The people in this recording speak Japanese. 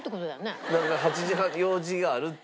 ８時半用事があるっていう。